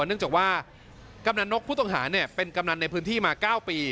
เนื่องจากว่ากำนันนกผู้ต้องหาเป็นกำนันในพื้นที่มา๙ปี